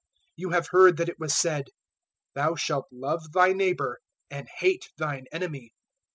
005:043 "You have heard that it was said, `Thou shalt love thy neighbour and hate thine enemy.'